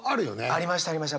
ありましたありました。